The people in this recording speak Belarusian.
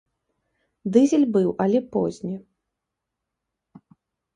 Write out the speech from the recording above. Дызель быў, але позні.